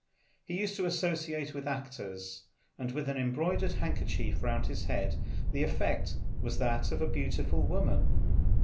He used to associate with actors, and with an embroidered handkerchief round his head the effect was that of a beautiful woman.